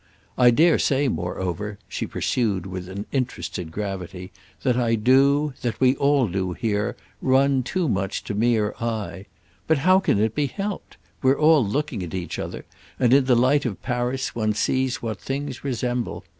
I dare say moreover," she pursued with an interested gravity, "that I do, that we all do here, run too much to mere eye. But how can it be helped? We're all looking at each other—and in the light of Paris one sees what things resemble.